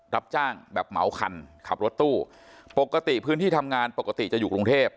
รับจ้างแบบเหมาคันขับรถตู้ปกติพื้นที่ทำงานปกติจะอยู่กรุงเทพ